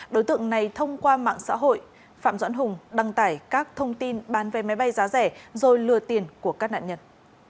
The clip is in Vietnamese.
đối tượng này thông qua mạng xã hội phạm doãn hùng đăng tải các thông tin bán về máy bay giá rẻ rồi lừa tiền của các đàn ông